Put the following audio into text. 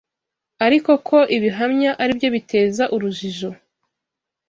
ariko ko ibihamya ari byo biteza urujijo